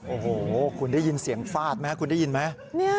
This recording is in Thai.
โอ้โหคุณได้ยินเสียงฟาดไหมคุณได้ยินไหม